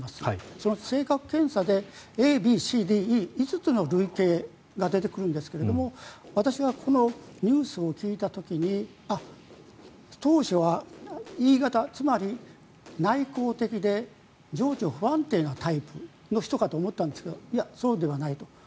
その性格検査でＡ、Ｂ、Ｃ、Ｄ、Ｅ５つの部類が出てくるんですが私はこのニュースを聞いた時に当初はＥ型つまり内向的で情緒不安定なタイプの人かと思ったんですがそうではないと。